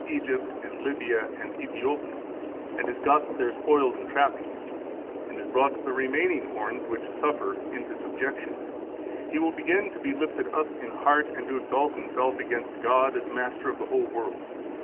Egypt, and Libya, and Ethiopia, and has got their spoils and trappings, and has brought the remaining horns which suffer into subjection, he will begin to be lifted up in heart, and to exalt himself against God as master of the whole world.